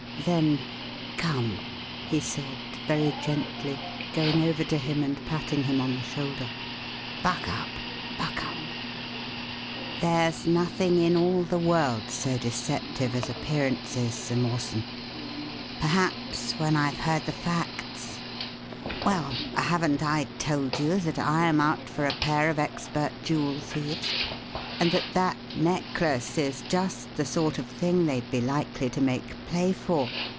Then: "Come," he said, very gently, going over to him and patting him on the shoulder. "Buck up! Buck up! There's nothing in all the world so deceptive as appearances, Sir Mawson; perhaps, when I've heard the facts Well, haven't I told you that I am out for a pair of expert jewel thieves, and that that necklace is just the sort of thing they'd be likely to make play for?